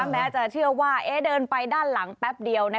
แม้จะเชื่อว่าเดินไปด้านหลังแป๊บเดียว